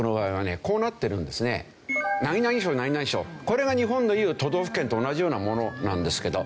これが日本のいう都道府県と同じようなものなんですけど。